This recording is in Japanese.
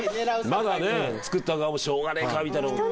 まだね作った側も「しょうがねえか」。